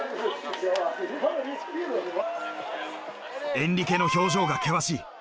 エンリケの表情が険しい。